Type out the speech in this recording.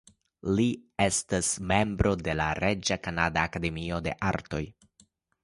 Li estis membro de la Reĝa Kanada Akademio de Artoj.